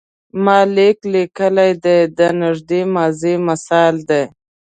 ما لیک لیکلی دی د نږدې ماضي مثال دی.